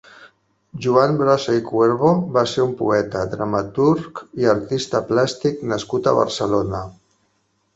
Joan Brossa i Cuervo va ser un poeta, dramaturg i artista plàstic nascut a Barcelona.